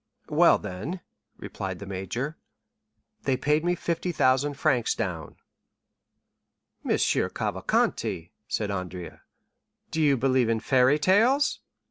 "Well, then," replied the major, "they paid me 50,000 francs down." "Monsieur Cavalcanti," said Andrea, "do you believe in fairy tales?"